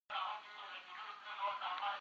اعتبار لکه ژوند يوځل کېږي